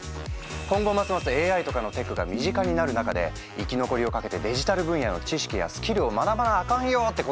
今後ますますＡＩとかのテクが身近になる中で生き残りをかけてデジタル分野の知識やスキルを学ばなあかんよってことなの。